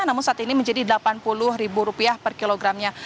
namun saat ini menjadi rp delapan puluh per kilogramnya